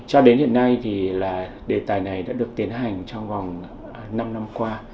cho đến hiện nay thì là đề tài này đã được tiến hành trong vòng năm năm qua